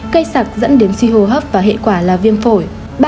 cây sặc dẫn đến suy hô hấp và hệ quả là viêm phổi